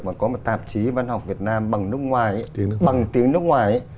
mà có một tạp chí văn học việt nam bằng tiếng nước ngoài